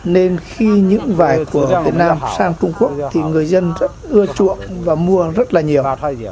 nên khi những vải của việt nam sang trung quốc thì người dân ưa chuộng và mua rất là nhiều